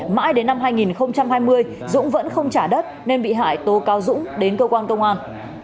mãi đến năm hai nghìn hai mươi dũng vẫn không trả đất nên bị hại tố cáo dũng đến cơ quan công an